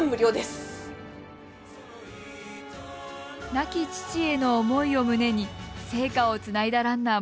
亡き父への思いを胸に聖火をつないだランナーもいます。